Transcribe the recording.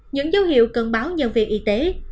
những dấu hiệu cần báo nhân viên y tế